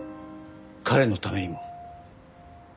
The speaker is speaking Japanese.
彼のためにも。